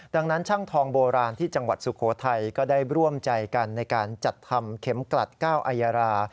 ดังนั้นช่างทองโบราณที่จังหวัดสุโขทัยก็ได้ร่วมใจกันในการจัดทำเข็มกลัดก้าวอายารา